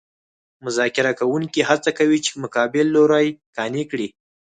مذاکره کوونکي هڅه کوي چې مقابل لوری قانع کړي